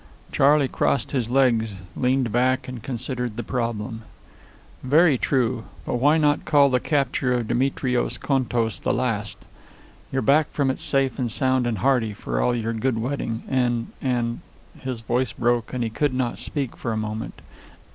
Charley crossed his legs, leaned back, and considered the problem. "Very true. But why not call the capture of Demetrios Contos the last? You're back from it safe and sound and hearty, for all your good wetting, and and " His voice broke and he could not speak for a moment.